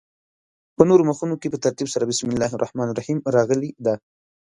په نورو مخونو کې په ترتیب سره بسم الله الرحمن الرحیم راغلې ده.